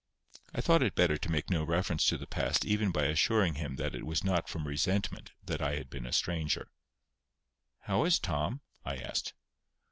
I thought it better to make no reference to the past even by assuring him that it was not from resentment that I had been a stranger. "How is Tom?" I asked.